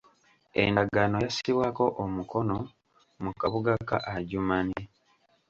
Endagaano yassibwako omukono mu kabuga ka Adjumani